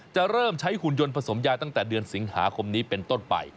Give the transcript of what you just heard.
จะเริ่มใช้หุ่นยนต์ผสมยาตั้งแต่เดือนสิงหาคมนี้เป็นต้นไป